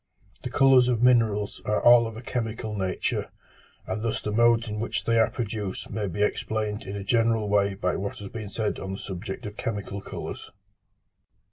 The colours of minerals are all of a chemical nature, and thus the modes in which they are produced may be explained in a general way by what has been said on the subject of chemical colours.